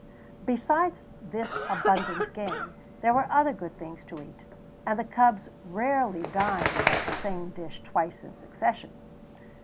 Besides this abundant game there were other good things to eat, and the cubs rarely dined of the same dish twice in succession.